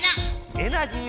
エナジー